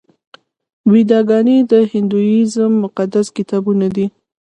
ویداګانې د هندویزم مقدس کتابونه دي.